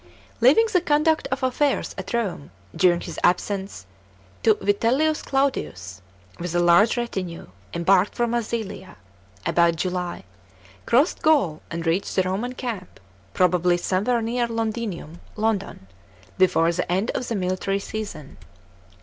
* Leaving the conduct of affairs at Rome during his absence to L. Vitellius, Claudius, with a large retinue, embarked for Massilia (about July), crossed Gaul an»i reached the Romnn camp, probably somewhere near Londiniuui (London), before the end of the military season.